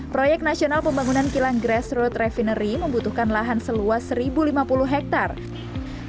proyek nasional pembangunan kilang grassroot refinery membutuhkan lahan seluas satu lima puluh hektare